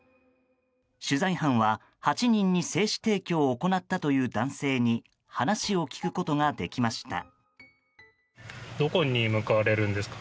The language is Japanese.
取材班は８人に精子提供を行ったという男性に話を聞くことができました。